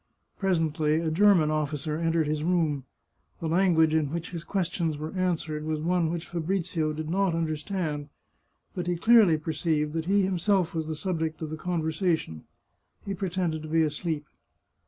Presently a German officer entered his room. The language in which his questions were an swered was one which Fabrizio did not understand, but he clearly perceived that he himself was the subject of the con versation ; he pretended to be asleep.